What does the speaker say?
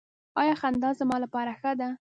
ایا خندا زما لپاره ښه ده؟